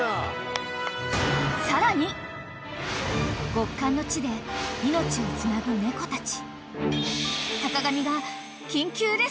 ［極寒の地で命をつなぐ猫たち］